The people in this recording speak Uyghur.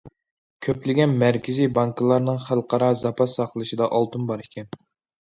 كۆپلىگەن مەركىزى بانكىلارنىڭ خەلقئارا زاپاس ساقلىشىدا ئالتۇن بار ئىكەن.